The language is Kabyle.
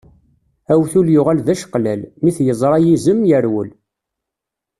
Awtul yuɣal d ačeqlal, mi t-yeẓra yizem, yerwel.